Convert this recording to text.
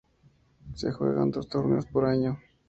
Se juegan dos torneos por año.